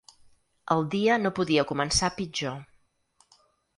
El dia no podia començar pitjor.